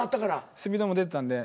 スピードも出てたんで。